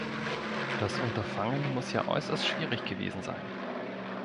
Das Unterfangen muss ja äußerst schwierig gewesen sein.